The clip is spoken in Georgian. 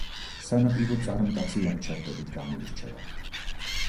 სანაპირო წარმტაცი ლანდშაფტებით გამოირჩევა.